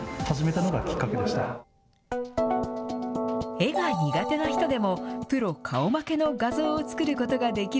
絵が苦手な人でも、プロ顔負けの画像を作ることができる。